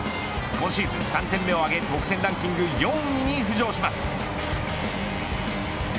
今シーズン３点目をあげ得点ランキング４位に浮上します。